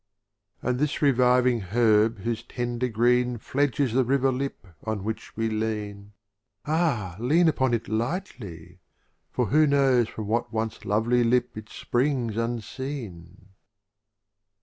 XX. And this reviving Herb whose ten der Green Fledges the River Lip on which we lean — Ah, lean upon it lightly ! for who knows From what once lovely Lip it springs unseen